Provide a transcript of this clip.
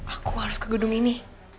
aku harus ke gedung ini